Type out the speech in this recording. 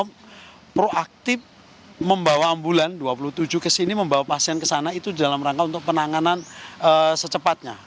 untuk proaktif membawa ambulan dua puluh tujuh kesini membawa pasien kesana itu dalam rangka untuk penanganan secepatnya